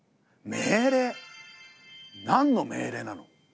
命令。何の命令なの？